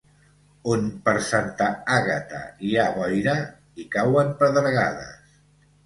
On per Santa Àgata hi ha boira, hi cauen pedregades.